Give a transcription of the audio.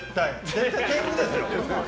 絶対、天狗ですよ。